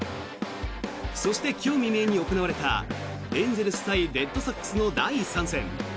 そして、今日未明に行われたエンゼルス対レッドソックスの第３戦。